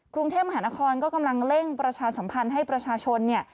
กรุงเทพมหานครก็กำลังเร่งประชาสัมพันธ์ให้ประชาชนเนี่ย